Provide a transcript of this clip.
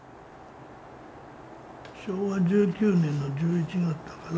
昭和１９年の１１月だから。